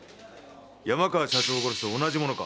山川社長殺しと同じものか？